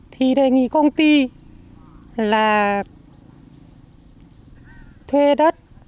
thì đề nghị công ty là thuê đất